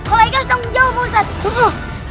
kalau aika setanggung jawab ustazah